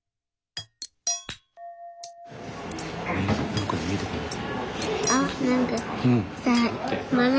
なんかに見えてこない？